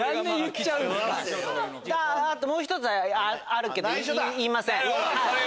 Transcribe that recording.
あともう１つあるけど言いません。